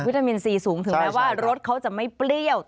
ตามินซีสูงถึงแม้ว่ารสเขาจะไม่เปรี้ยว